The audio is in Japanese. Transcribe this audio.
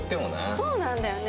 そうなんだよね。